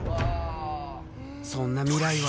そんな未来は。